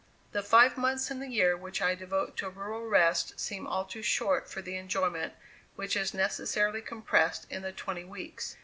The five months in the year which I devote to rural rest seem all too short for the enjoyment which is necessarily compressed in the twenty weeks.